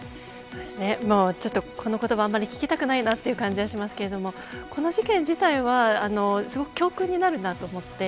この言葉あんまり聞きたくないという感じはしますがこの事件自体は教訓になるなと思って。